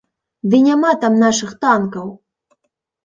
Ды няма там нашых танкаў!